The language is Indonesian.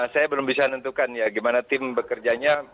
saya belum bisa nentukan ya bagaimana tim bekerjanya